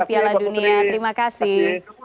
piala dunia terima kasih